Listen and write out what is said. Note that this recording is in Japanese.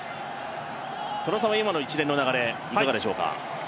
戸田さんは今の一連の流れ、いかがでしょうか？